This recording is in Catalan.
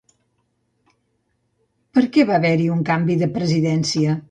Per què va haver-hi un canvi de presidència?